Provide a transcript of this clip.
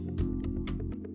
asal juga nganjau